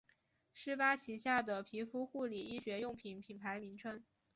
施巴旗下的皮肤护理医学用品品牌名称。